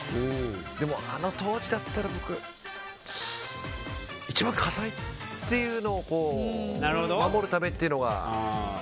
でも、あの当時だったら一番火災っていうのを守るためっていうのが。